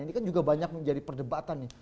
ini kan juga banyak menjadi perdebatan nih